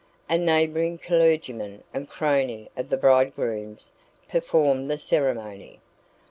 A neighbouring clergyman and crony of the bridegroom's performed the ceremony.